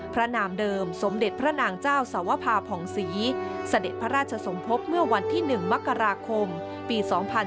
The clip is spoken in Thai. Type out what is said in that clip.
นามเดิมสมเด็จพระนางเจ้าสวภาพอ่องศรีเสด็จพระราชสมภพเมื่อวันที่๑มกราคมปี๒๕๕๙